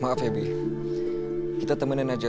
maaf ya fi kita temenin aja